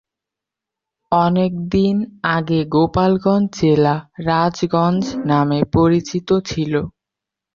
অনেক দিন আগে গোপালগঞ্জ জেলা রাজগঞ্জ নামে পরিচিত ছিল।